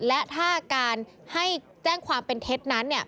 และถ้าการให้แจ้งความเป็นเท็จนั้น